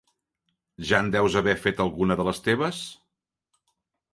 Ja en deus haver fet alguna de les teves?